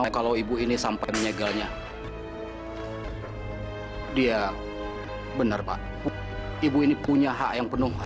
aku gak bercanda